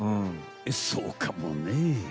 そうかもね。